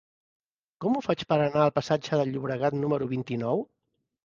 Com ho faig per anar al passatge del Llobregat número vint-i-nou?